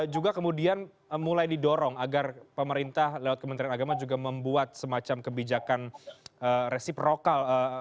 juga kemudian mulai didorong agar pemerintah lewat kementerian agama juga membuat semacam kebijakan resiprokal